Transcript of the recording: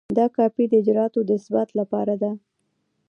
دا کاپي د اجرااتو د اثبات لپاره ده.